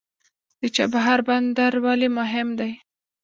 د چابهار بندر ولې مهم دی؟